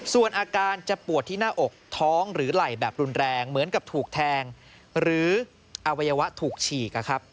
ส่วนอาการจะปวดที่หน้าอกท้องหรือไหล่แบบรุนแรงเหมือนกับถูกแทงหรืออวัยวะถูกฉีก